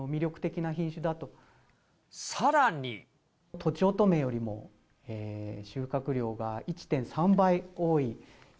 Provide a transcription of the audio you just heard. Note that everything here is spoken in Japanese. とちおとめよりも収穫量が１．３倍多い。